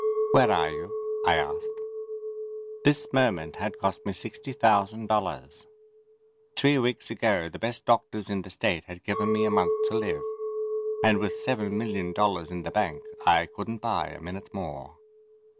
"Where are you?" I asked. This moment had cost me sixty thousand dollars. Three weeks ago the best doctors in the state had given me a month to live. And with seven million dollars in the bank I couldn't buy a minute more.